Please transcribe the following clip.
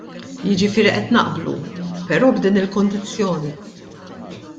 Jiġifieri qed naqblu, però b'din il-kundizzjoni.